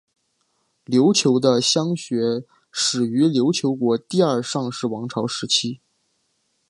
琉球的乡学始于琉球国第二尚氏王朝时期。